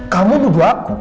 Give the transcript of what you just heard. kamu nuduh aku